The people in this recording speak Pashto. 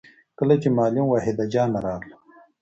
کله چې معلم وحيده جانه راغله